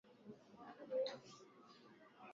Lakini tuna pashwa kuyua ku ungana mukono